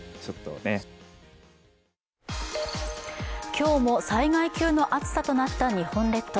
今日も災害級の暑さとなった日本列島。